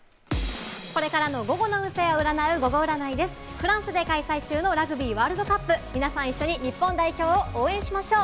フランスで開催中のラグビーワールドカップ、皆さん、一緒に日本代表を応援しましょう。